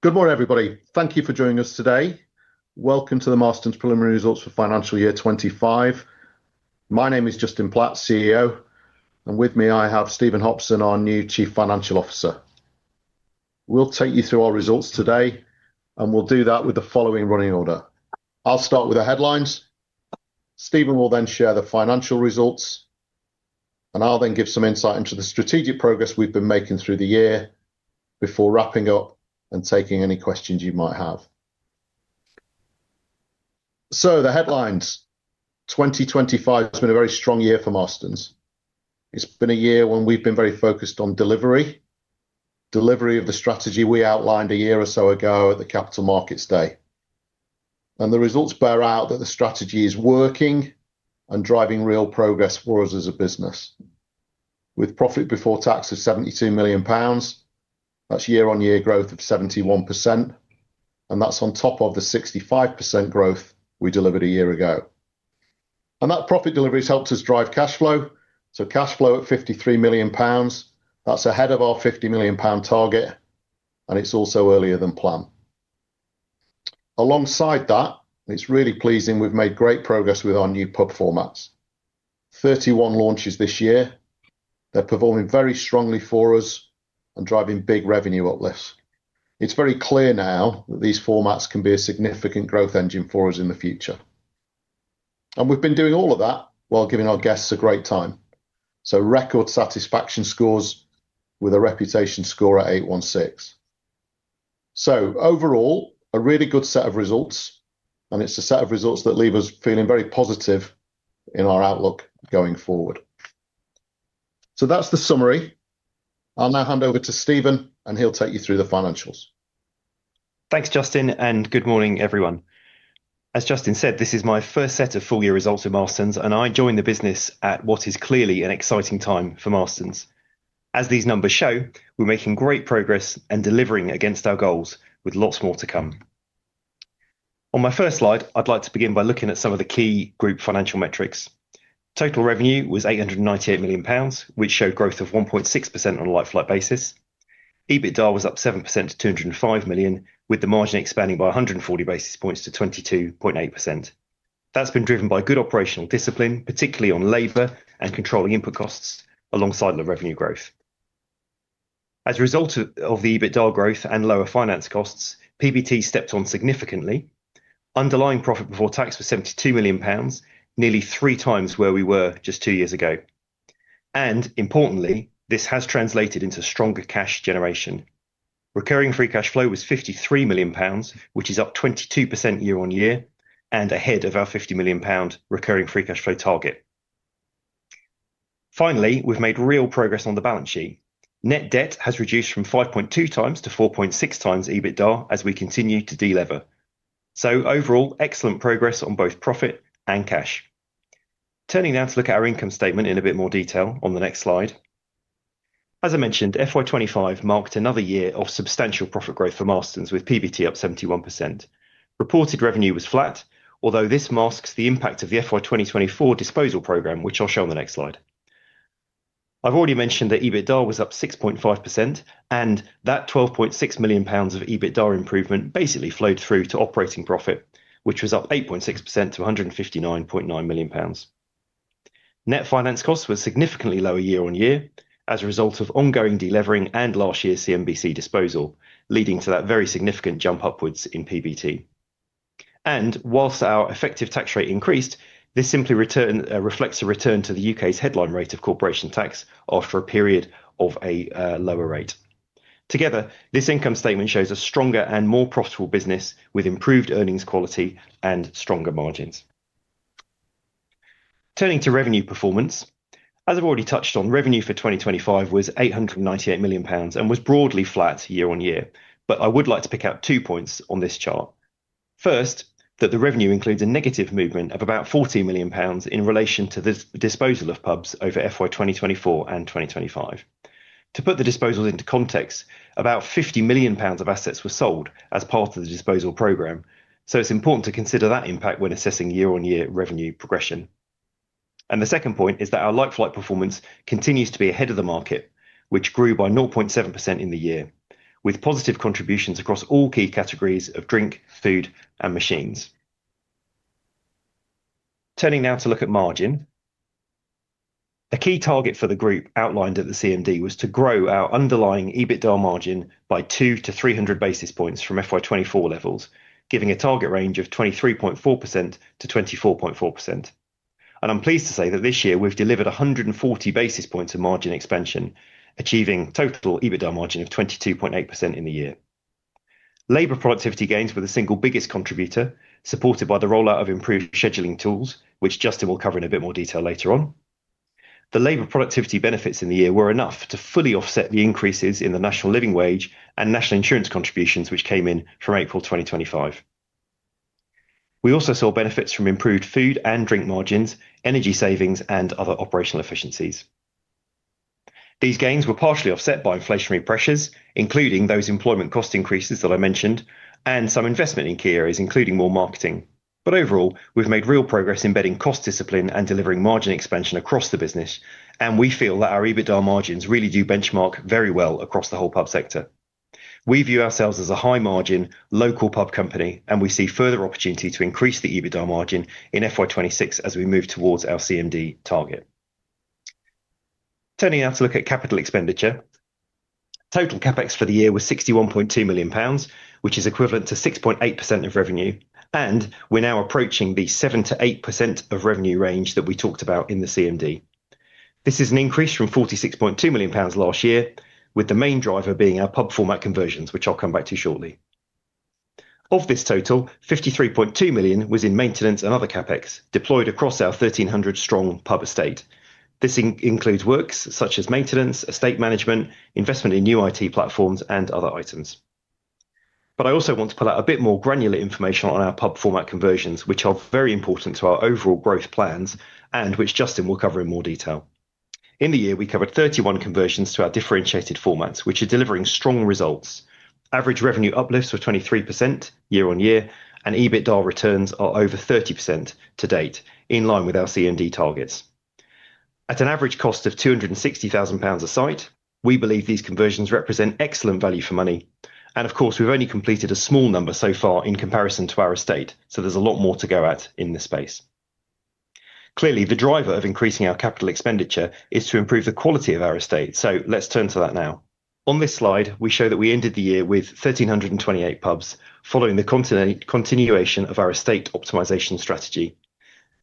Good morning, everybody. Thank you for joining us today. Welcome to the Marston's Preliminary Results for Financial Year 2025. My name is Justin Platt, CEO, and with me I have Stephen Hopson, our new Chief Financial Officer. We'll take you through our results today, and we'll do that with the following running order. I'll start with the headlines. Stephen will then share the financial results, and I'll then give some insight into the strategic progress we've been making through the year before wrapping up and taking any questions you might have. The headlines: 2025 has been a very strong year for Marston's. It's been a year when we've been very focused on delivery, delivery of the strategy we outlined a year or so ago at the Capital Markets Day. The results bear out that the strategy is working and driving real progress for us as a business. With profit before tax of 72 million pounds, that's year-on-year growth of 71%, and that's on top of the 65% growth we delivered a year ago. That profit delivery has helped us drive cash flow. Cash flow at 53 million pounds, that's ahead of our 50 million pound target, and it's also earlier than planned. Alongside that, it's really pleasing we've made great progress with our new pub formats: 31 launches this year. They're performing very strongly for us and driving big revenue uplifts. It's very clear now that these formats can be a significant growth engine for us in the future. We've been doing all of that while giving our guests a great time. Record satisfaction scores with a reputation score at 816. Overall, a really good set of results, and it's a set of results that leave us feeling very positive in our outlook going forward. That's the summary. I'll now hand over to Stephen, and he'll take you through the financials. Thanks, Justin, and good morning, everyone. As Justin said, this is my first set of full-year results with Marston's, and I joined the business at what is clearly an exciting time for Marston's. As these numbers show, we're making great progress and delivering against our goals, with lots more to come. On my first slide, I'd like to begin by looking at some of the key group financial metrics. Total revenue was 898 million pounds, which showed growth of 1.6% on a like-for-like basis. EBITDA was up 7% to 205 million, with the margin expanding by 140 basis points to 22.8%. That's been driven by good operational discipline, particularly on labor and controlling input costs, alongside the revenue growth. As a result of the EBITDA growth and lower finance costs, PBT stepped on significantly. Underlying profit before tax was 72 million pounds, nearly three times where we were just two years ago. Importantly, this has translated into stronger cash generation. Recurring free cash flow was 53 million pounds, which is up 22% year-on-year and ahead of our 50 million pound recurring free cash flow target. Finally, we have made real progress on the balance sheet. Net debt has reduced from 5.2 times to 4.6 times EBITDA as we continue to delever. Overall, excellent progress on both profit and cash. Turning now to look at our income statement in a bit more detail on the next slide. As I mentioned, FY2025 marked another year of substantial profit growth for Marston's, with PBT up 71%. Reported revenue was flat, although this masks the impact of the FY2024 disposal program, which I will show on the next slide. I have already mentioned that EBITDA was up 6.5%, and that 12.6 million pounds of EBITDA improvement basically flowed through to operating profit, which was up 8.6% to 159.9 million pounds. Net finance costs were significantly lower year-on-year as a result of ongoing delevering and last year's CNBC disposal, leading to that very significant jump upwards in PBT. Whilst our effective tax rate increased, this simply reflects a return to the U.K.'s headline rate of corporation tax after a period of a lower rate. Together, this income statement shows a stronger and more profitable business with improved earnings quality and stronger margins. Turning to revenue performance, as I've already touched on, revenue for 2025 was 898 million pounds and was broadly flat year-on-year, but I would like to pick out two points on this chart. First, that the revenue includes a negative movement of about 40 million pounds in relation to the disposal of pubs over FY2024 and 2025. To put the disposals into context, about 50 million pounds of assets were sold as part of the disposal program, so it's important to consider that impact when assessing year-on-year revenue progression. The second point is that our like-for-like performance continues to be ahead of the market, which grew by 0.7% in the year, with positive contributions across all key categories of drink, food, and machines. Turning now to look at margin, a key target for the group outlined at the CMD was to grow our underlying EBITDA margin by 200-300 basis points from FY 2024 levels, giving a target range of 23.4%-24.4%. I'm pleased to say that this year we've delivered 140 basis points of margin expansion, achieving total EBITDA margin of 22.8% in the year. Labour productivity gains were the single biggest contributor, supported by the rollout of improved scheduling tools, which Justin will cover in a bit more detail later on. The labor productivity benefits in the year were enough to fully offset the increases in the national living wage and national insurance contributions, which came in from April 2025. We also saw benefits from improved food and drink margins, energy savings, and other operational efficiencies. These gains were partially offset by inflationary pressures, including those employment cost increases that I mentioned, and some investment in key areas, including more marketing. Overall, we've made real progress embedding cost discipline and delivering margin expansion across the business, and we feel that our EBITDA margins really do benchmark very well across the whole pub sector. We view ourselves as a high-margin, local pub company, and we see further opportunity to increase the EBITDA margin in FY2026 as we move towards our CMD target. Turning now to look at capital expenditure, total CapEx for the year was 61.2 million pounds, which is equivalent to 6.8% of revenue, and we're now approaching the 7%-8% of revenue range that we talked about in the CMD. This is an increase from 46.2 million pounds last year, with the main driver being our pub format conversions, which I'll come back to shortly. Of this total, 53.2 million was in maintenance and other CapEx deployed across our 1,300-strong pub estate. This includes works such as maintenance, estate management, investment in new IT platforms, and other items. I also want to pull out a bit more granular information on our pub format conversions, which are very important to our overall growth plans and which Justin will cover in more detail. In the year, we covered 31 conversions to our differentiated formats, which are delivering strong results. Average revenue uplifts were 23% year-on-year, and EBITDA returns are over 30% to date, in line with our CMD targets. At an average cost of 260,000 pounds a site, we believe these conversions represent excellent value for money. Of course, we've only completed a small number so far in comparison to our estate, so there's a lot more to go at in this space. Clearly, the driver of increasing our capital expenditure is to improve the quality of our estate, so let's turn to that now. On this slide, we show that we ended the year with 1,328 pubs, following the continuation of our estate optimization strategy.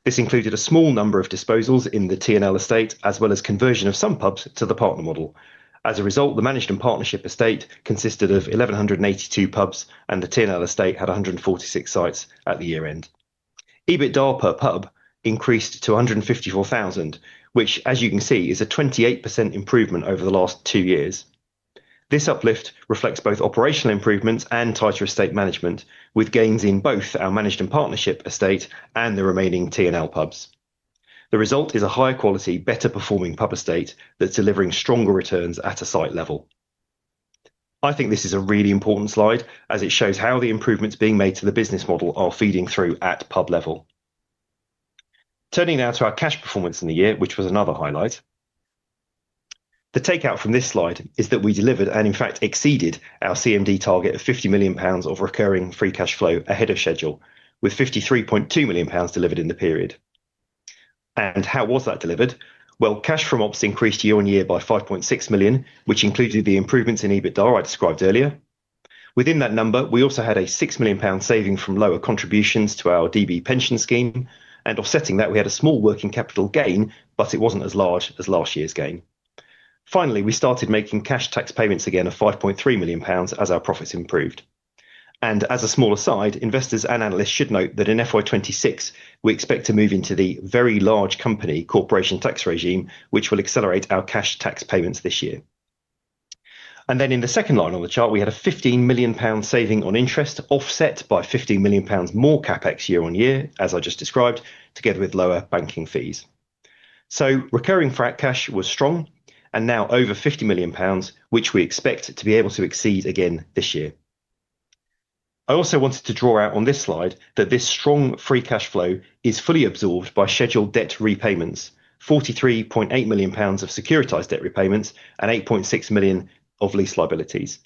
This included a small number of disposals in the T&L estate, as well as conversion of some pubs to the partner model. As a result, the managed and partnership estate consisted of 1,182 pubs, and the T&L estate had 146 sites at the year-end. EBITDA per pub increased to 154,000, which, as you can see, is a 28% improvement over the last two years. This uplift reflects both operational improvements and tighter estate management, with gains in both our managed and partnership estate and the remaining T&L pubs. The result is a higher quality, better-performing pub estate that is delivering stronger returns at a site level. I think this is a really important slide, as it shows how the improvements being made to the business model are feeding through at pub level. Turning now to our cash performance in the year, which was another highlight. The takeout from this slide is that we delivered and, in fact, exceeded our CMD target of 50 million pounds of recurring free cash flow ahead of schedule, with 53.2 million pounds delivered in the period. How was that delivered? Cash from ops increased year-on-year by 5.6 million, which included the improvements in EBITDA I described earlier. Within that number, we also had a 6 million pound saving from lower contributions to our DB pension scheme, and offsetting that, we had a small working capital gain, but it was not as large as last year's gain. Finally, we started making cash tax payments again of 5.3 million pounds as our profits improved. As a smaller side, investors and analysts should note that in FY2026, we expect to move into the very large company corporation tax regime, which will accelerate our cash tax payments this year. In the second line on the chart, we had a 15 million pound saving on interest offset by 15 million pounds more CapEx year-on-year, as I just described, together with lower banking fees. Recurring free cash was strong, and now over 50 million pounds, which we expect to be able to exceed again this year. I also wanted to draw out on this slide that this strong free cash flow is fully absorbed by scheduled debt repayments, 43.8 million pounds of securitized debt repayments, and 8.6 million of lease liabilities.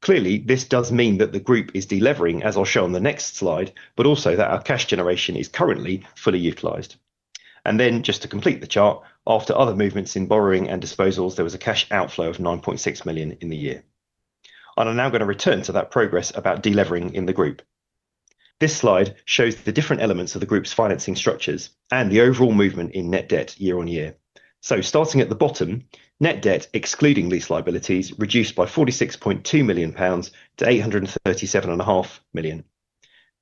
Clearly, this does mean that the group is delivering, as I'll show on the next slide, but also that our cash generation is currently fully utilized. To complete the chart, after other movements in borrowing and disposals, there was a cash outflow of 9.6 million in the year. I am now going to return to that progress about delivering in the group. This slide shows the different elements of the group's financing structures and the overall movement in net debt year-on-year. Starting at the bottom, net debt, excluding lease liabilities, reduced by 46.2 million pounds to 837.5 million.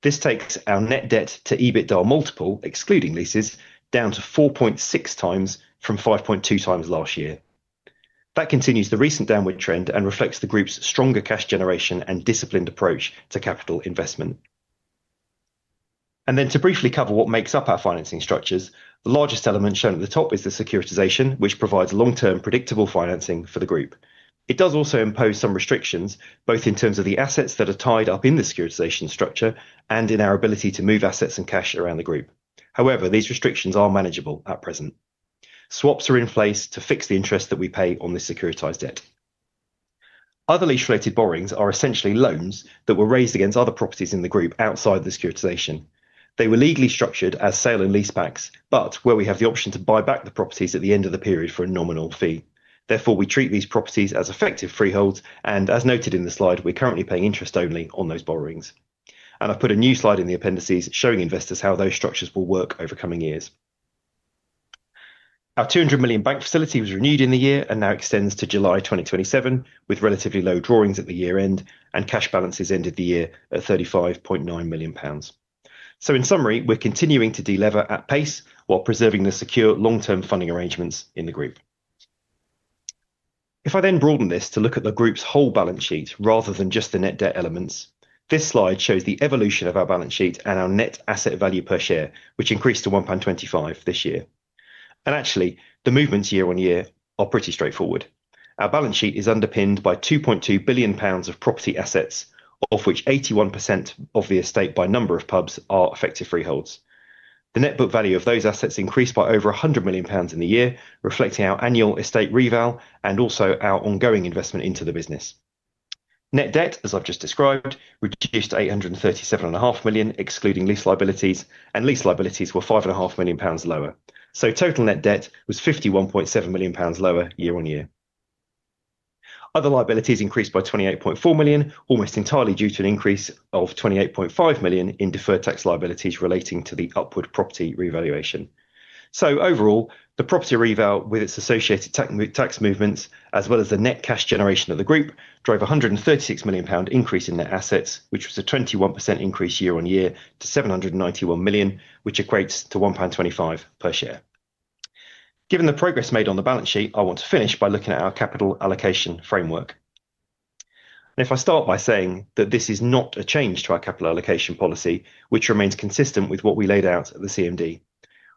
This takes our net debt to EBITDA multiple, excluding leases, down to 4.6 times from 5.2 times last year. That continues the recent downward trend and reflects the group's stronger cash generation and disciplined approach to capital investment. To briefly cover what makes up our financing structures, the largest element shown at the top is the securitization, which provides long-term predictable financing for the group. It does also impose some restrictions, both in terms of the assets that are tied up in the securitization structure and in our ability to move assets and cash around the group. However, these restrictions are manageable at present. Swaps are in place to fix the interest that we pay on this securitized debt. Other lease-related borrowings are essentially loans that were raised against other properties in the group outside the securitization. They were legally structured as sale and leasebacks, but where we have the option to buy back the properties at the end of the period for a nominal fee. Therefore, we treat these properties as effective freeholds, and as noted in the slide, we're currently paying interest only on those borrowings. I have put a new slide in the appendices showing investors how those structures will work over coming years. Our 200 million bank facility was renewed in the year and now extends to July 2027, with relatively low drawings at the year-end and cash balances ended the year at 35.9 million pounds. In summary, we're continuing to delever at pace while preserving the secure long-term funding arrangements in the group. If I then broaden this to look at the group's whole balance sheet rather than just the net debt elements, this slide shows the evolution of our balance sheet and our net asset value per share, which increased to 1.25 pound this year. Actually, the movements year-on-year are pretty straightforward. Our balance sheet is underpinned by 2.2 billion pounds of property assets, of which 81% of the estate by number of pubs are effective freeholds. The net book value of those assets increased by over 100 million pounds in the year, reflecting our annual estate reval and also our ongoing investment into the business. Net debt, as I've just described, reduced to 837.5 million, excluding lease liabilities, and lease liabilities were 5.5 million pounds lower. Total net debt was 51.7 million pounds lower year-on-year. Other liabilities increased by 28.4 million, almost entirely due to an increase of 28.5 million in deferred tax liabilities relating to the upward property revaluation. Overall, the property reval with its associated tax movements, as well as the net cash generation of the group, drove a 136 million pound increase in net assets, which was a 21% increase year-on-year to 791 million, which equates to 1.25 pound per share. Given the progress made on the balance sheet, I want to finish by looking at our capital allocation framework. If I start by saying that this is not a change to our capital allocation policy, which remains consistent with what we laid out at the CMD,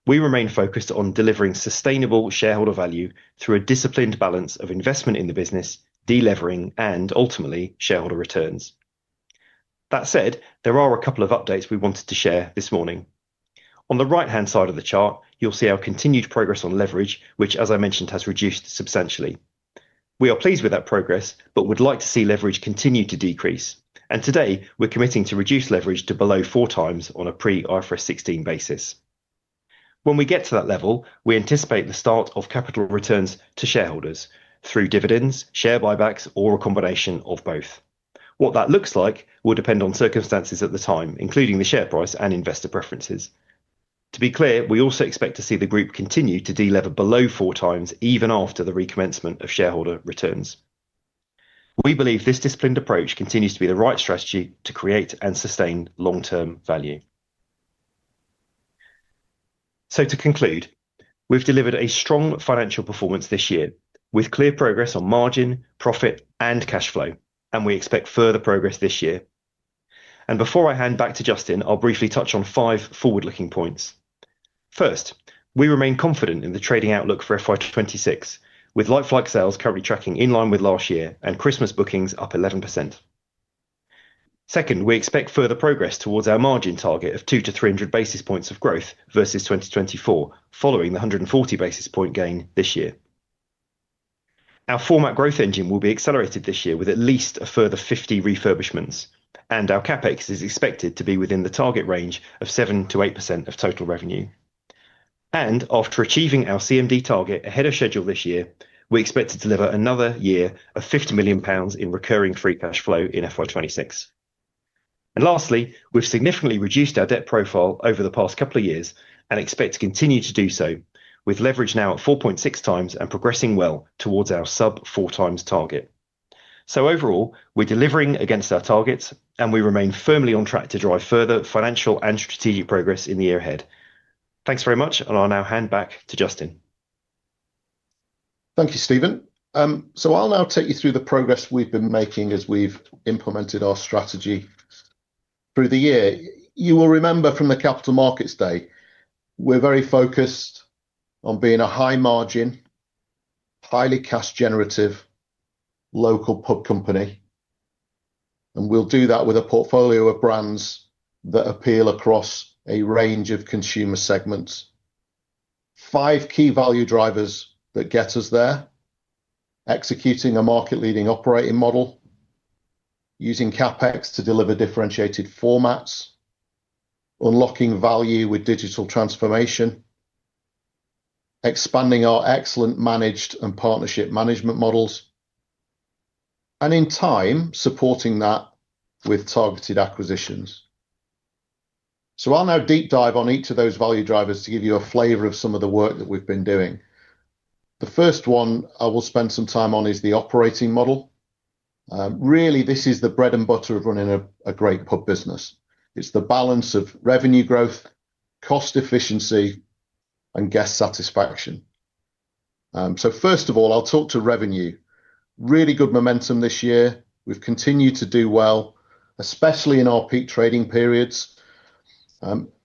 we remain focused on delivering sustainable shareholder value through a disciplined balance of investment in the business, delevering, and ultimately shareholder returns. That said, there are a couple of updates we wanted to share this morning. On the right-hand side of the chart, you'll see our continued progress on leverage, which, as I mentioned, has reduced substantially. We are pleased with that progress, but would like to see leverage continue to decrease. Today, we're committing to reduce leverage to below four times on a pre-IFRS 16 basis. When we get to that level, we anticipate the start of capital returns to shareholders through dividends, share buybacks, or a combination of both. What that looks like will depend on circumstances at the time, including the share price and investor preferences. To be clear, we also expect to see the group continue to delever below four times even after the recommencement of shareholder returns. We believe this disciplined approach continues to be the right strategy to create and sustain long-term value. To conclude, we've delivered a strong financial performance this year, with clear progress on margin, profit, and cash flow, and we expect further progress this year. Before I hand back to Justin, I'll briefly touch on five forward-looking points. First, we remain confident in the trading outlook for FY2026, with like-for-like sales currently tracking in line with last year and Christmas bookings up 11%. Second, we expect further progress towards our margin target of 200-300 basis points of growth versus 2024, following the 140 basis point gain this year. Our format growth engine will be accelerated this year with at least a further 50 refurbishments, and our CapEx is expected to be within the target range of 7%-8% of total revenue. After achieving our CMD target ahead of schedule this year, we expect to deliver another year of 50 million pounds in recurring free cash flow in FY26. Lastly, we have significantly reduced our debt profile over the past couple of years and expect to continue to do so, with leverage now at 4.6 times and progressing well towards our sub-four times target. Overall, we are delivering against our targets, and we remain firmly on track to drive further financial and strategic progress in the year ahead. Thanks very much, and I'll now hand back to Justin. Thank you, Stephen. I'll now take you through the progress we've been making as we've implemented our strategy through the year. You will remember from the Capital Markets Day, we're very focused on being a high-margin, highly cash-generative local pub company, and we'll do that with a portfolio of brands that appeal across a range of consumer segments. Five key value drivers that get us there: executing a market-leading operating model, using CapEx to deliver differentiated formats, unlocking value with digital transformation, expanding our excellent managed and partnership management models, and in time, supporting that with targeted acquisitions. I'll now deep dive on each of those value drivers to give you a flavor of some of the work that we've been doing. The first one I will spend some time on is the operating model. Really, this is the bread and butter of running a great pub business. It's the balance of revenue growth, cost efficiency, and guest satisfaction. First of all, I'll talk to revenue. Really good momentum this year. We've continued to do well, especially in our peak trading periods.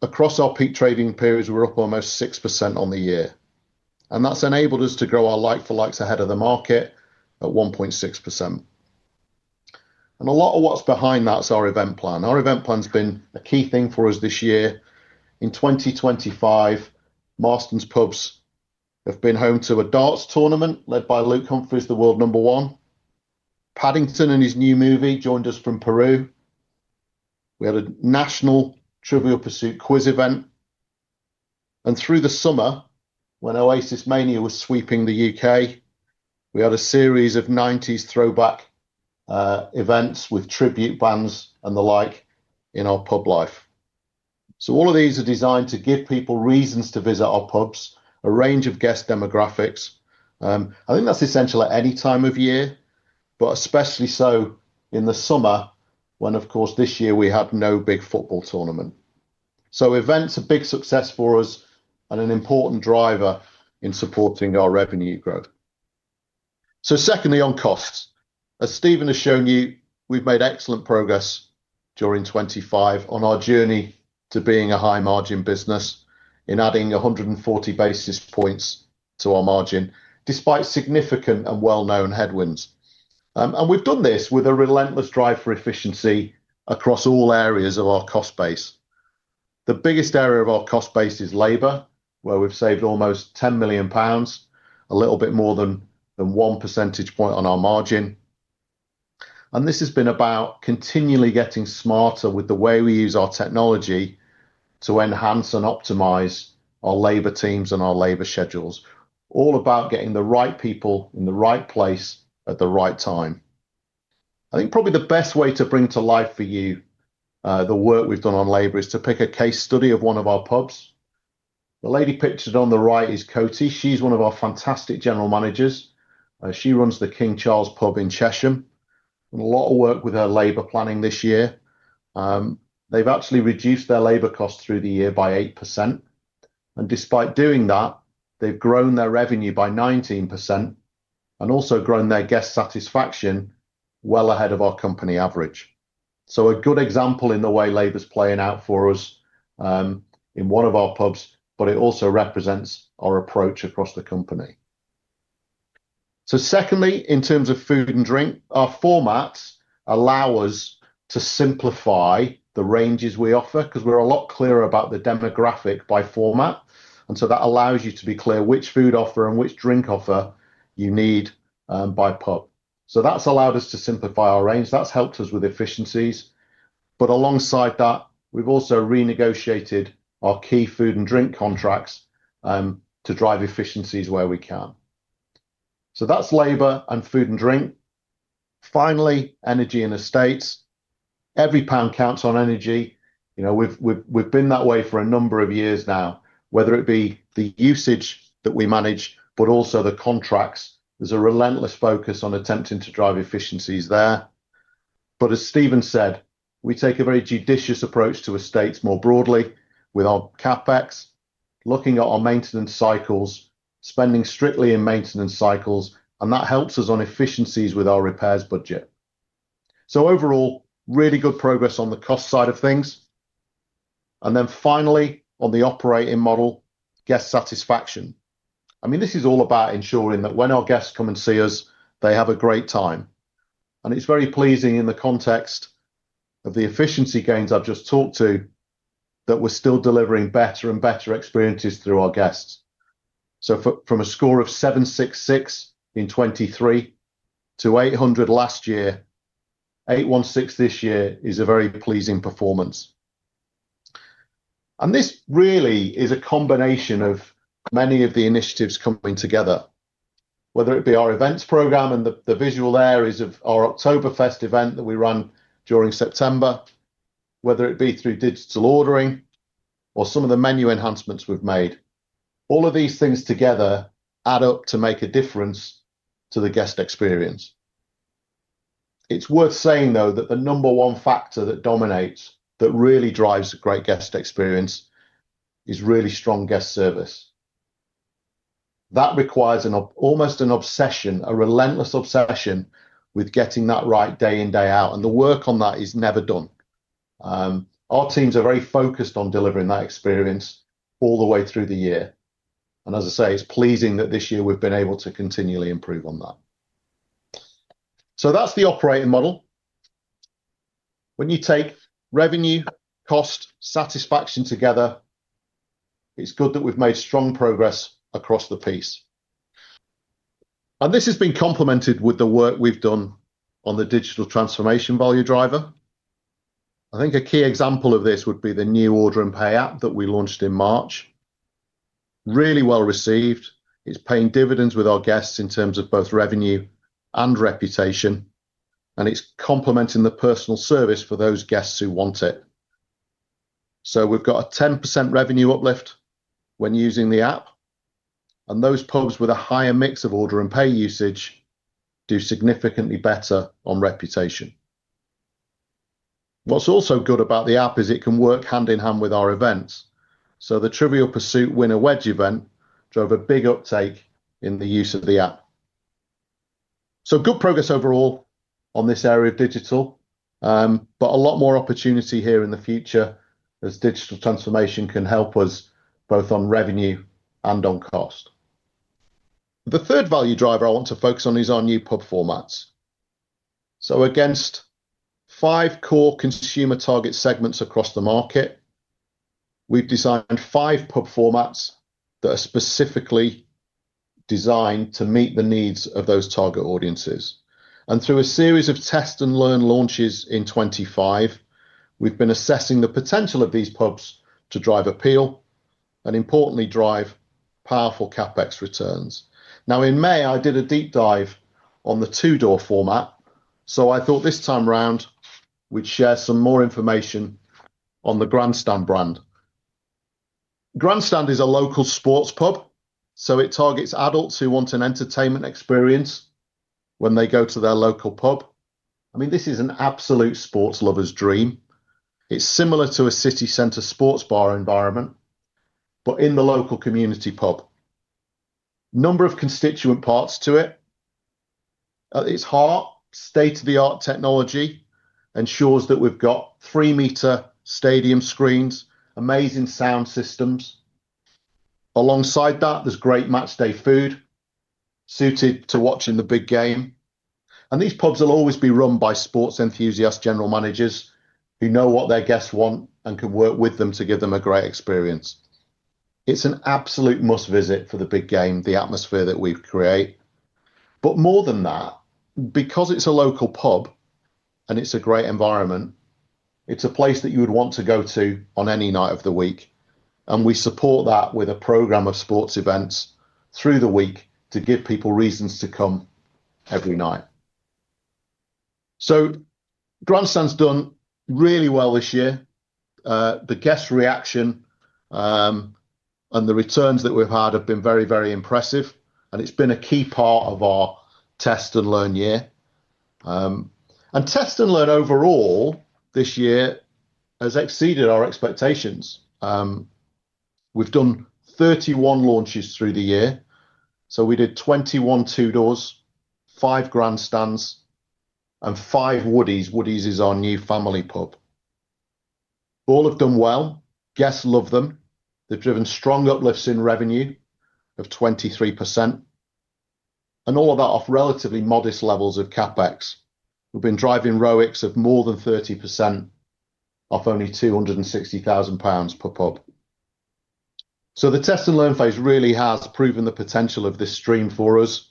Across our peak trading periods, we're up almost 6% on the year. That's enabled us to grow our like-for-likes ahead of the market at 1.6%. A lot of what's behind that is our event plan. Our event plan has been a key thing for us this year. In 2025, Marston's pubs have been home to a darts tournament led by Luke Humphries, the world number one. Paddington and his new movie joined us from Peru. We had a national Trivial Pursuit quiz event. Through the summer, when Oasis Mania was sweeping the U.K., we had a series of '90s throwback events with tribute bands and the like in our pub life. All of these are designed to give people reasons to visit our pubs, a range of guest demographics. I think that's essential at any time of year, especially in the summer, when, of course, this year we had no big football tournament. Events are a big success for us and an important driver in supporting our revenue growth. Secondly, on costs. As Stephen has shown you, we've made excellent progress during 2025 on our journey to being a high-margin business in adding 140 basis points to our margin, despite significant and well-known headwinds. We've done this with a relentless drive for efficiency across all areas of our cost base. The biggest area of our cost base is labor, where we've saved almost 10 million pounds, a little bit more than one percentage point on our margin. This has been about continually getting smarter with the way we use our technology to enhance and optimize our labor teams and our labor schedules, all about getting the right people in the right place at the right time. I think probably the best way to bring to life for you the work we've done on labor is to pick a case study of one of our pubs. The lady pictured on the right is Coatie. She's one of our fantastic General Managers. She runs the King Charles Pub in Chesham. A lot of work with her labor planning this year. They've actually reduced their labor costs through the year by 8%. Despite doing that, they've grown their revenue by 19% and also grown their guest satisfaction well ahead of our company average. A good example in the way labor's playing out for us in one of our pubs, but it also represents our approach across the company. Secondly, in terms of food and drink, our formats allow us to simplify the ranges we offer because we're a lot clearer about the demographic by format. That allows you to be clear which food offer and which drink offer you need by pub. That's allowed us to simplify our range. That's helped us with efficiencies. Alongside that, we've also renegotiated our key food and drink contracts to drive efficiencies where we can. That's labor and food and drink. Finally, energy and estates. Every pound counts on energy. We've been that way for a number of years now, whether it be the usage that we manage, but also the contracts. There's a relentless focus on attempting to drive efficiencies there. As Stephen said, we take a very judicious approach to estates more broadly with our CapEx, looking at our maintenance cycles, spending strictly in maintenance cycles, and that helps us on efficiencies with our repairs budget. Overall, really good progress on the cost side of things. Finally, on the operating model, guest satisfaction. I mean, this is all about ensuring that when our guests come and see us, they have a great time. It's very pleasing in the context of the efficiency gains I've just talked to that we're still delivering better and better experiences through our guests. From a score of 766 in 2023 to 800 last year, 816 this year is a very pleasing performance. This really is a combination of many of the initiatives coming together, whether it be our events program and the visual there is of our Octoberfest event that we run during September, whether it be through digital ordering or some of the menu enhancements we've made. All of these things together add up to make a difference to the guest experience. It's worth saying, though, that the number one factor that dominates, that really drives a great guest experience, is really strong guest service. That requires almost an obsession, a relentless obsession with getting that right day in, day out. The work on that is never done. Our teams are very focused on delivering that experience all the way through the year. As I say, it's pleasing that this year we've been able to continually improve on that. That's the operating model. When you take revenue, cost, satisfaction together, it's good that we've made strong progress across the piece. This has been complemented with the work we've done on the digital transformation value driver. I think a key example of this would be the new Order and Pay App that we launched in March. Really well received. It's paying dividends with our guests in terms of both revenue and reputation. It's complementing the personal service for those guests who want it. We've got a 10% revenue uplift when using the app. Those pubs with a higher mix of Order and Pay usage do significantly better on reputation. What's also good about the app is it can work hand in hand with our events. The trivial pursuit winner wedge event drove a big uptake in the use of the app. Good progress overall on this area of digital, but a lot more opportunity here in the future as digital transformation can help us both on revenue and on cost. The third value driver I want to focus on is our new pub formats. Against five core consumer target segments across the market, we've designed five pub formats that are specifically designed to meet the needs of those target audiences. Through a series of test and learn launches in 2025, we've been assessing the potential of these pubs to drive appeal and, importantly, drive powerful CapEx returns. In May, I did a deep dive on the two-door format. I thought this time around, we'd share some more information on the grandstand brand. grandstand is a local sports pub, so it targets adults who want an entertainment experience when they go to their local pub. I mean, this is an absolute sports lover's dream. It's similar to a city centre sports bar environment, but in the local community pub. Number of constituent parts to it. It's hard, state-of-the-art technology ensures that we've got three-metre stadium screens, amazing sound systems. Alongside that, there's great matchday food suited to watching the big game. These pubs will always be run by sports enthusiast general managers who know what their guests want and can work with them to give them a great experience. It's an absolute must-visit for the big game, the atmosphere that we create. More than that, because it's a local pub and it's a great environment, it's a place that you would want to go to on any night of the week. We support that with a program of sports events through the week to give people reasons to come every night. grandstand's done really well this year. The guest reaction and the returns that we've had have been very, very impressive. It's been a key part of our test and learn year. Test and learn overall this year has exceeded our expectations. We've done 31 launches through the year. We did 21 two-doors, five grandstands, and five Woodies. Woodies is our new family pub. All have done well. Guests love them. They've driven strong uplifts in revenue of 23%. All of that off relatively modest levels of CapEx. We've been driving ROICs of more than 30% off only 260,000 pounds per pub. The test and learn phase really has proven the potential of this stream for us.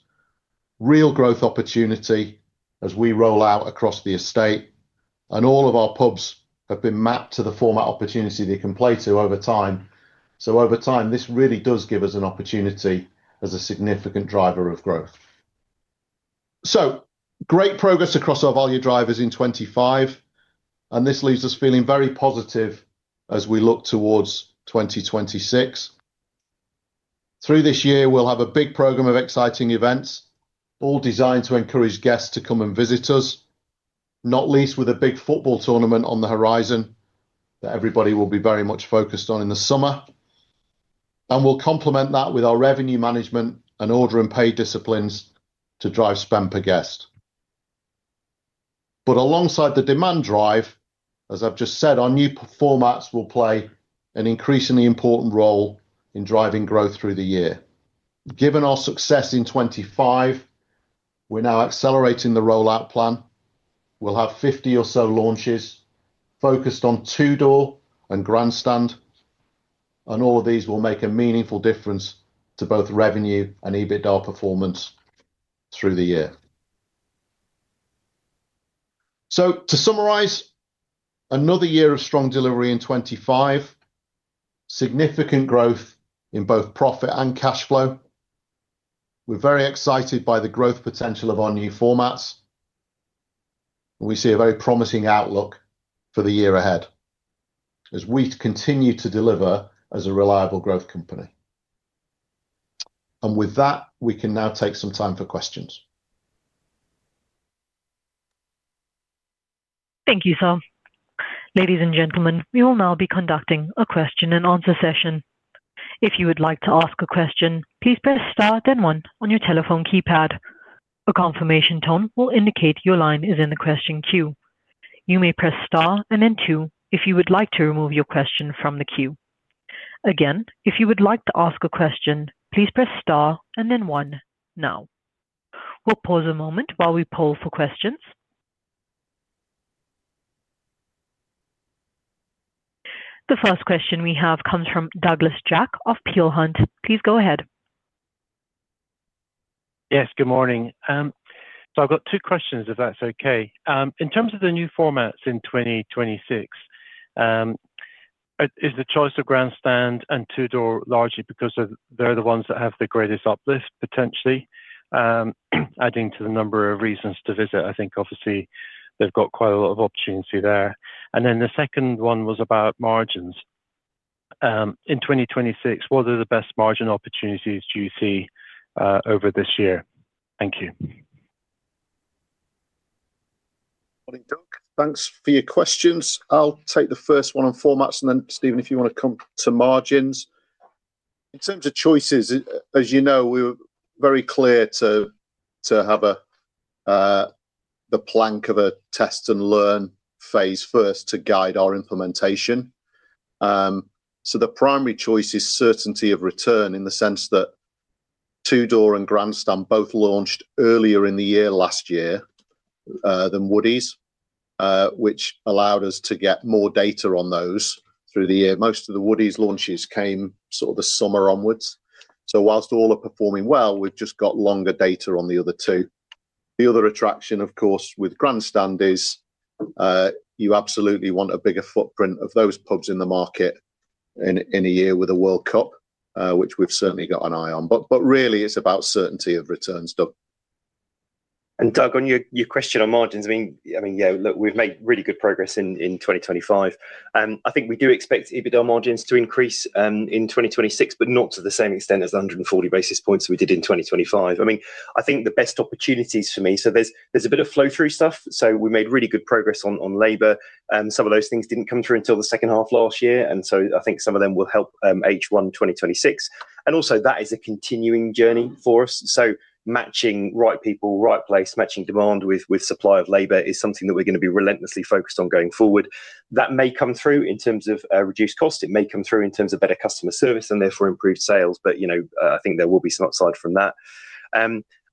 Real growth opportunity as we roll out across the estate. All of our pubs have been mapped to the format opportunity they can play to over time. Over time, this really does give us an opportunity as a significant driver of growth. Great progress across our value drivers in 2025. This leaves us feeling very positive as we look towards 2026. Through this year, we will have a big program of exciting events, all designed to encourage guests to come and visit us, not least with a big football tournament on the horizon that everybody will be very much focused on in the summer. We will complement that with our revenue management and Order and Pay App disciplines to drive spend per guest. Alongside the demand drive, as I have just said, our new formats will play an increasingly important role in driving growth through the year. Given our success in 2025, we're now accelerating the rollout plan. We'll have 50 or so launches focused on two-door and grandstand. All of these will make a meaningful difference to both revenue and EBITDA performance through the year. To summarize, another year of strong delivery in 2025, significant growth in both profit and cash flow. We're very excited by the growth potential of our new formats. We see a very promising outlook for the year ahead as we continue to deliver as a reliable growth company. With that, we can now take some time for questions. Thank you, sir. Ladies and gentlemen, we will now be conducting a question and answer session. If you would like to ask a question, please press star then one on your telephone keypad. A confirmation tone will indicate your line is in the question queue. You may press star and then two if you would like to remove your question from the queue. Again, if you would like to ask a question, please press star and then one now. We'll pause a moment while we poll for questions. The first question we have comes from Douglas Jack of Peel Hunt. Please go ahead. Yes, good morning. I have two questions, if that's okay. In terms of the new formats in 2026, is the choice of grandstand and two-door largely because they're the ones that have the greatest uplift, potentially, adding to the number of reasons to visit? I think, obviously, they've got quite a lot of opportunity there. The second one was about margins. In 2026, what are the best margin opportunities do you see over this year? Thank you. Morning, Doug. Thanks for your questions. I'll take the first one on formats. Stephen, if you want to come to margins. In terms of choices, as you know, we were very clear to have the plank of a test and learn phase first to guide our implementation. The primary choice is certainty of return in the sense that two-door and grandstand both launched earlier in the year last year than Woodies, which allowed us to get more data on those through the year. Most of the Woodies launches came sort of the summer onwards. Whilst all are performing well, we've just got longer data on the other two. The other attraction, of course, with grandstand is you absolutely want a bigger footprint of those pubs in the market in a year with a World Cup, which we've certainly got an eye on. Really, it's about certainty of returns, Doug. Doug, on your question on margins, I mean, yeah, look, we've made really good progress in 2025. I think we do expect EBITDA margins to increase in 2026, but not to the same extent as 140 basis points we did in 2025. I mean, I think the best opportunities for me, so there's a bit of flow-through stuff. We made really good progress on labor. Some of those things didn't come through until the second half last year. I think some of them will help H1 2026. Also, that is a continuing journey for us. Matching right people, right place, matching demand with supply of labor is something that we're going to be relentlessly focused on going forward. That may come through in terms of reduced cost. It may come through in terms of better customer service and therefore improved sales. I think there will be some upside from that.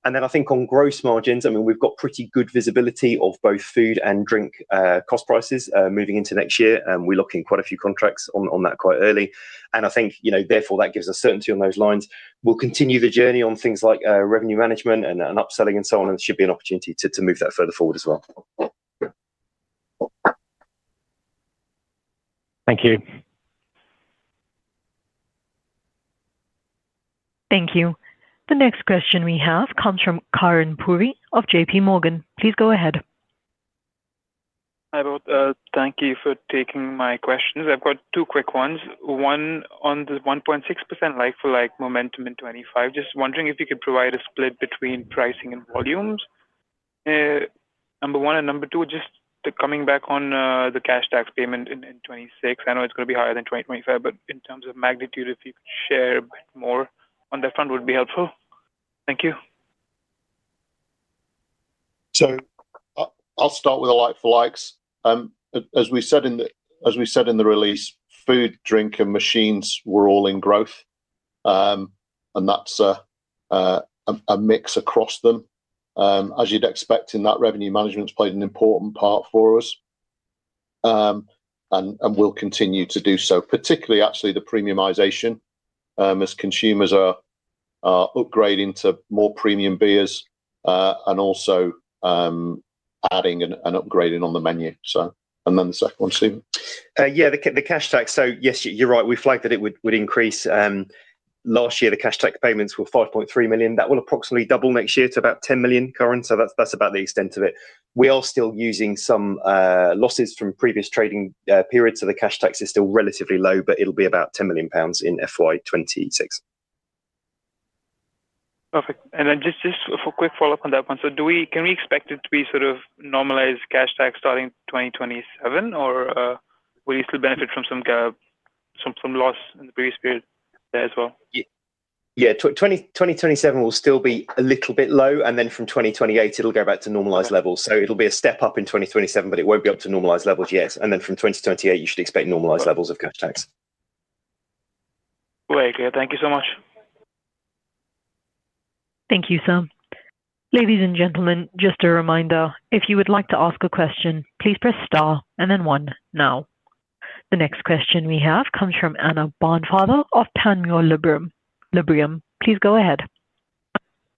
I think on gross margins, I mean, we've got pretty good visibility of both food and drink cost prices moving into next year. We're looking at quite a few contracts on that quite early. I think, therefore, that gives us certainty on those lines. We'll continue the journey on things like revenue management and upselling and so on. It should be an opportunity to move that further forward as well. Thank you. Thank you. The next question we have comes from Karan Puri of J.P. Morgan. Please go ahead. Hi, both. Thank you for taking my questions. I've got two quick ones. One on the 1.6% like-for-like momentum in 2025. Just wondering if you could provide a split between pricing and volumes. Number one and number two, just coming back on the cash tax payment in 2026. I know it's going to be higher than 2025, but in terms of magnitude, if you could share a bit more on that front would be helpful. Thank you. I'll start with the like-for-likes. As we said in the release, food, drink, and machines were all in growth. That's a mix across them. As you'd expect in that, revenue management has played an important part for us. We'll continue to do so, particularly, actually, the premiumisation as consumers are upgrading to more premium beers and also adding and upgrading on the menu. Then the second one, Stephen. Yeah, the cash tax. Yes, you're right. We flagged that it would increase. Last year, the cash tax payments were 5.3 million. That will approximately double next year to about 10 million, current. That is about the extent of it. We are still using some losses from previous trading periods. The cash tax is still relatively low, but it will be about 10 million pounds in FY2026. Perfect. Just for a quick follow-up on that one. Can we expect it to be sort of normalised cash tax starting 2027, or will you still benefit from some loss in the previous period there as well? Yes, 2027 will still be a little bit low. From 2028, it will go back to normalised levels. It will be a step up in 2027, but it will not be up to normalised levels yet. From 2028, you should expect normalised levels of cash tax. Very clear. Thank you so much. Thank you, sir. Ladies and gentlemen, just a reminder, if you would like to ask a question, please press star and then one now. The next question we have comes from Anna Barnfather of Panmure Liberum. Please go ahead.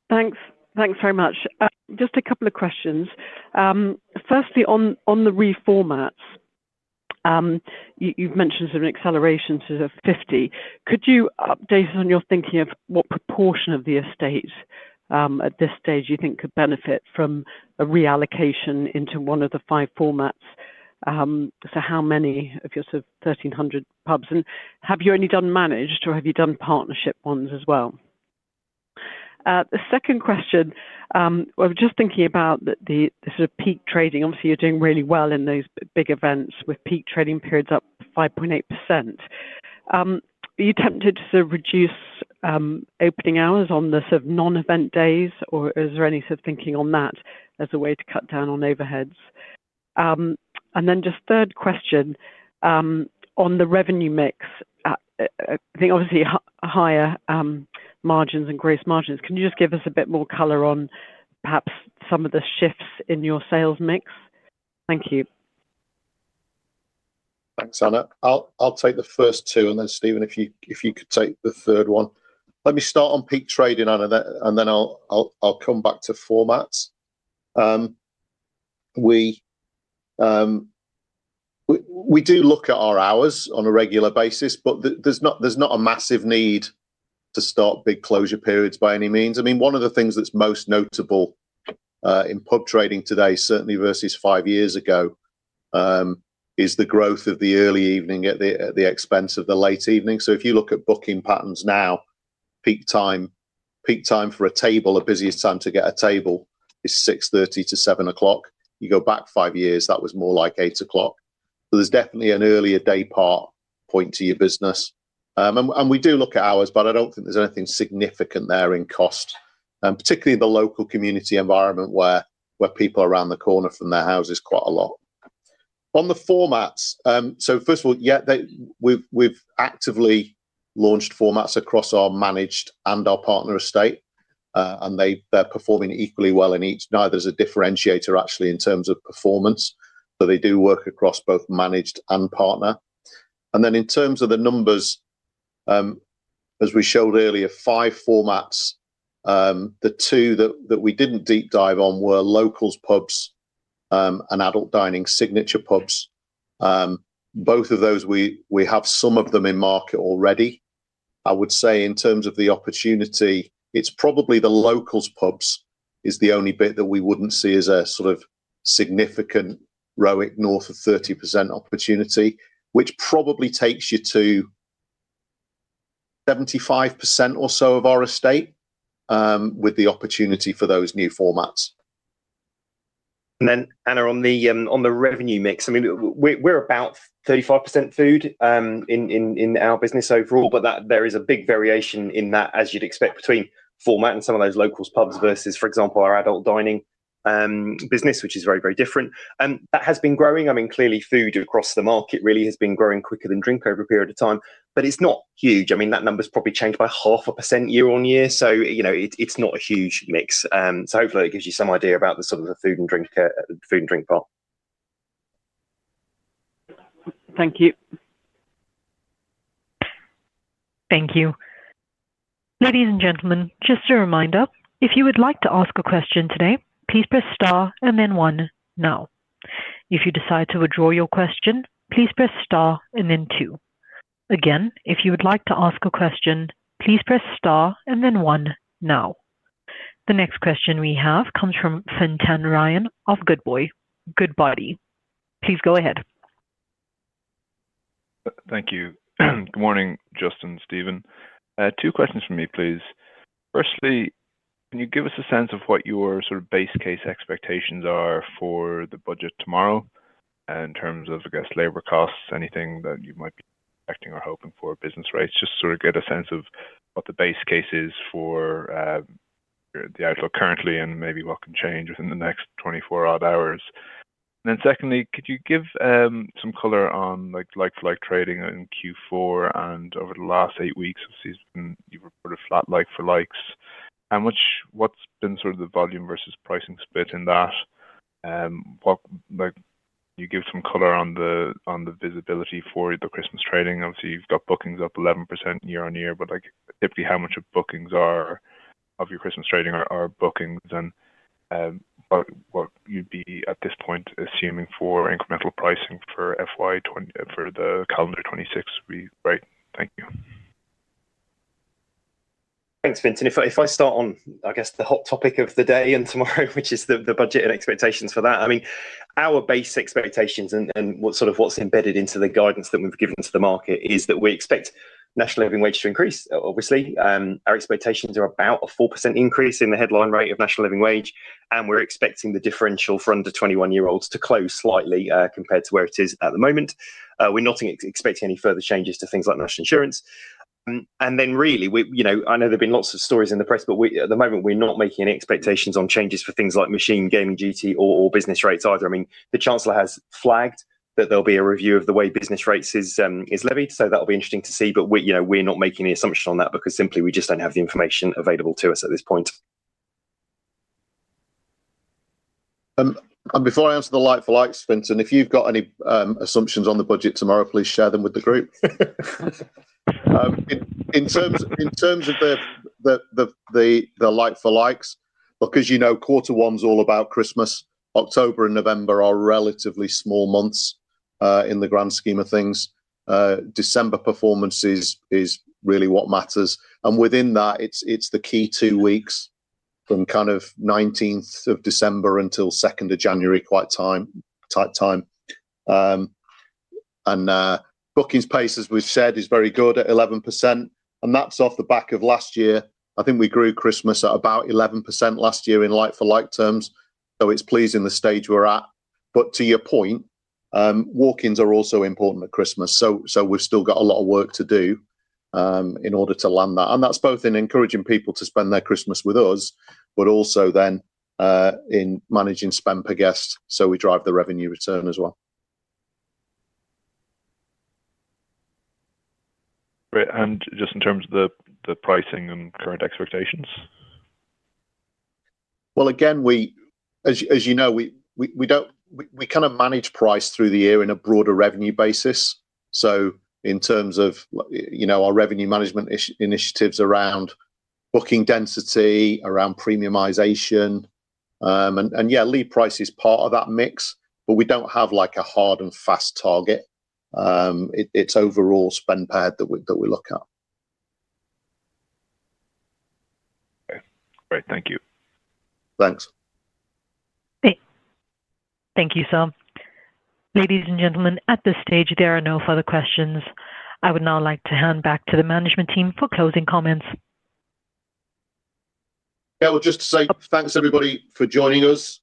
Thanks. Thanks very much. Just a couple of questions. Firstly, on the reformats, you've mentioned sort of an acceleration to 50. Could you update us on your thinking of what proportion of the estate at this stage you think could benefit from a reallocation into one of the five formats? So how many of your sort of 1,300 pubs? And have you only done managed, or have you done partnership ones as well? The second question, I was just thinking about the sort of peak trading. Obviously, you're doing really well in those big events with peak trading periods up 5.8%. Are you tempted to reduce opening hours on the sort of non-event days, or is there any sort of thinking on that as a way to cut down on overheads? Just third question, on the revenue mix, I think obviously higher margins and gross margins. Can you just give us a bit more color on perhaps some of the shifts in your sales mix? Thank you. Thanks, Anna. I'll take the first two. Stephen, if you could take the third one. Let me start on peak trading, Anna, and then I'll come back to formats. We do look at our hours on a regular basis, but there's not a massive need to start big closure periods by any means. I mean, one of the things that's most notable in pub trading today, certainly versus five years ago, is the growth of the early evening at the expense of the late evening. If you look at booking patterns now, peak time for a table, the busiest time to get a table is 6:30 to 7:00 P.M. You go back five years, that was more like 8:00 P.M. There's definitely an earlier day part point to your business. We do look at hours, but I don't think there's anything significant there in cost, particularly in the local community environment where people are around the corner from their houses quite a lot. On the formats, first of all, yeah, we've actively launched formats across our managed and our partner estate. They're performing equally well in each. Neither is a differentiator, actually, in terms of performance. They do work across both managed and partner. In terms of the numbers, as we showed earlier, five formats. The two that we did not deep dive on were locals' pubs and adult dining signature pubs. Both of those, we have some of them in market already. I would say in terms of the opportunity, it is probably the locals' pubs that is the only bit that we would not see as a sort of significant ROIC north of 30% opportunity, which probably takes you to 75% or so of our estate with the opportunity for those new formats. Anna, on the revenue mix, I mean, we are about 35% food in our business overall, but there is a big variation in that, as you would expect, between format and some of those locals' pubs versus, for example, our adult dining business, which is very, very different. That has been growing. I mean, clearly, food across the market really has been growing quicker than drink over a period of time. It is not huge. I mean, that number's probably changed by half a percent year on year. It is not a huge mix. Hopefully, it gives you some idea about the sort of the food and drink part. Thank you. Thank you. Ladies and gentlemen, just a reminder, if you would like to ask a question today, please press star and then one now. If you decide to withdraw your question, please press star and then two. Again, if you would like to ask a question, please press star and then one now. The next question we have comes from Fintan Ryan of Goodbody. Please go ahead. Thank you. Good morning, Justin and Stephen. Two questions from me, please. Firstly, can you give us a sense of what your sort of base case expectations are for the budget tomorrow in terms of, I guess, labor costs, anything that you might be expecting or hoping for, business rates? Just sort of get a sense of what the base case is for the outlook currently and maybe what can change within the next 24-odd hours. Secondly, could you give some color on like-for-like trading in Q4 and over the last eight weeks? Obviously, you've reported flat like-for-likes. What's been sort of the volume versus pricing split in that? Can you give some color on the visibility for the Christmas trading? Obviously, you've got bookings up 11% year on year, but typically, how much of bookings are of your Christmas trading are bookings? What you'd be at this point assuming for incremental pricing for the calendar 26th, right? Thank you. Thanks, fintan. If I start on, I guess, the hot topic of the day and tomorrow, which is the budget and expectations for that, I mean, our base expectations and sort of what's embedded into the guidance that we've given to the market is that we expect national living wage to increase, obviously. Our expectations are about a 4% increase in the headline rate of national living wage. We are expecting the differential for under 21-year-olds to close slightly compared to where it is at the moment. We are not expecting any further changes to things like national insurance. I know there have been lots of stories in the press, but at the moment, we are not making any expectations on changes for things like machine, gaming, duty, or business rates either. I mean, the Chancellor has flagged that there'll be a review of the way business rates is levied. That'll be interesting to see. We're not making any assumption on that because simply, we just don't have the information available to us at this point. Before I answer the like-for-likes, Vincent, if you've got any assumptions on the budget tomorrow, please share them with the group. In terms of the like-for-likes, because quarter one's all about Christmas, October and November are relatively small months in the grand scheme of things. December performance is really what matters. Within that, it's the key two weeks from kind of 19th of December until 2nd of January, quite tight time. Bookings pace, as we've said, is very good at 11%. That's off the back of last year. I think we grew Christmas at about 11% last year in like-for-like terms. It is pleasing the stage we are at. To your point, walk-ins are also important at Christmas. We have still got a lot of work to do in order to land that. That is both in encouraging people to spend their Christmas with us, but also in managing spend per guest so we drive the revenue return as well. Great. Just in terms of the pricing and current expectations? As you know, we kind of manage price through the year in a broader revenue basis. In terms of our revenue management initiatives around booking density, around premiumisation, and yeah, lead price is part of that mix. We do not have a hard and fast target. It is overall spend pad that we look at. Okay. Great. Thank you. Thanks. Thank you, sir. Ladies and gentlemen, at this stage, there are no further questions. I would now like to hand back to the management team for closing comments. Yeah, just to say thanks, everybody, for joining us.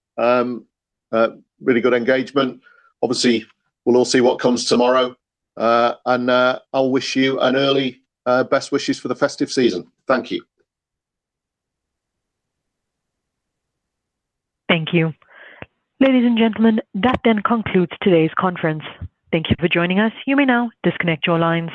Really good engagement. Obviously, we'll all see what comes tomorrow. I wish you an early best wishes for the festive season. Thank you. Thank you. Ladies and gentlemen, that then concludes today's conference. Thank you for joining us. You may now disconnect your lines.